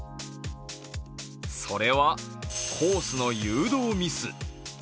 それは、コースの誘導ミス。